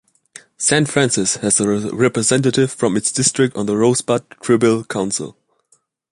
Saint Francis has a representative from its district on the Rosebud Tribal Council.